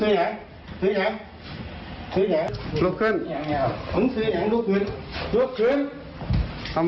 เอากุญแจมือมีไหม